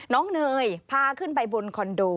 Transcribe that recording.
เนยพาขึ้นไปบนคอนโด